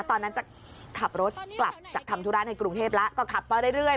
ตอนนั้นจะขับรถกลับจากทำธุระในกรุงเทพแล้วก็ขับมาเรื่อย